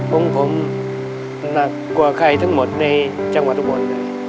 ของผมหนักกว่าใครทั้งหมดในจังหวัดอุบล